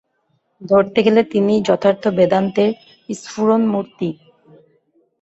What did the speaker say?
ধরতে গেলে তিনিই যথার্থ বেদান্তের স্ফুরণমূর্তি।